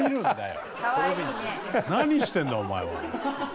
何してんだお前は！